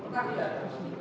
kayaknya lagi bangun